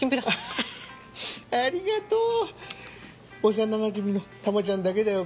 幼なじみの珠ちゃんだけだよ。